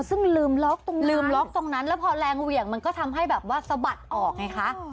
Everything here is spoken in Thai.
ซึ่งลืมล็อกตรงนี้ลืมล็อกตรงนั้นแล้วพอแรงเหวี่ยงมันก็ทำให้แบบว่าสะบัดออกไงคะ